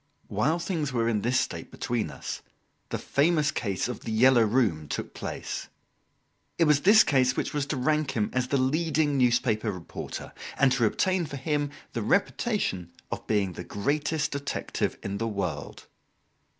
While things were in this state between us, the famous case of The "Yellow Room" took place. It was this case which was to rank him as the leading newspaper reporter, and to obtain for him the reputation of being the greatest detective in the world.